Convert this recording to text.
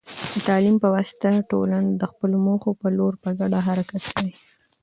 د تعلیم په واسطه، ټولنه د خپلو موخو په لور په ګډه حرکت کوي.